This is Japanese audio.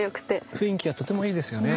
雰囲気がとてもいいですよね。